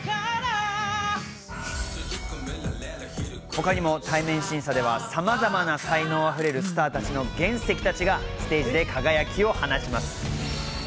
他にも対面審査ではさまざまな才能溢れるスターの原石たちがステージで輝きを放ちます。